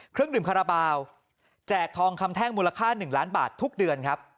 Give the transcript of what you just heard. เครื่องดื่มคาราบาลแจกทองคำแท่งมูลค่า๑ล้านบาททุกเดือนครับ